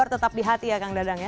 tetap di hati ya kang dadang ya